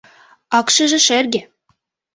Акшыже шерге.